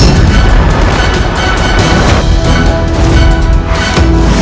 jangan jangan jangan